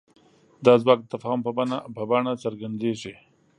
دا ځواک د تفاهم په بڼه څرګندېږي.